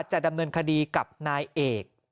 จะดำเนินคดีกับนายเอก